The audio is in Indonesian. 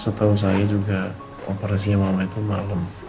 setahu saya juga operasinya mama itu malam